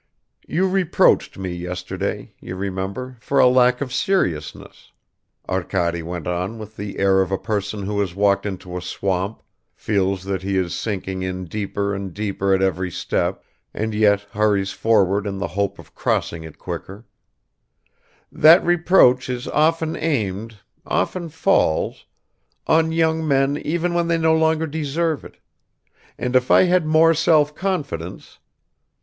You reproached me yesterday, you remember, for a lack of seriousness," Arkady went on with the air of a person who has walked into a swamp, feels that he is sinking in deeper and deeper at every step, and yet hurries forward in the hope of crossing it quicker; "that reproach is often aimed ... often falls ... on young men even when they no longer deserve it; and if I had more self confidence